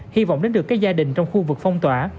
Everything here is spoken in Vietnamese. hy vọng đến được các gia đình trong khu vực phong tỏa